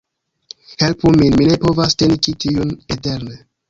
Helpu min! Mi ne povas teni ĉi tiun eterne